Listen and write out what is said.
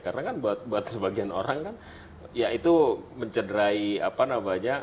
karena kan buat sebagian orang kan ya itu mencederai apa namanya